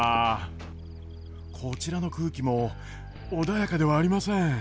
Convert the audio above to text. こちらの空気も穏やかではありません。